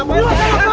gue mau cari alamat